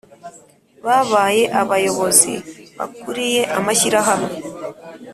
Babaye abayobozi bakuriye amashyirahamwe